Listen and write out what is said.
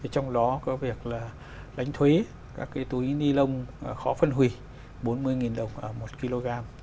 trong đó có việc là đánh thuế các cái túi ni lông khó phân hủy bốn mươi đồng